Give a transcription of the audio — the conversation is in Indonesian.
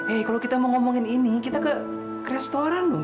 eh kalau kita mau ngomongin ini kita ke restoran loh